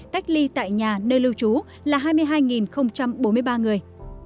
cách ly tại nhà nơi lưu trú là hai mươi hai bốn mươi ba người